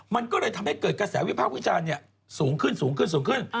มันก็เลยทำให้เกิดกระแสวิภาพวิชาสูงขึ้น